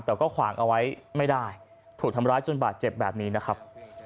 แต่ก็ขวางเอาไว้ไม่ได้ถูกทำร้ายจนบาดเจ็บแบบนี้นะครับ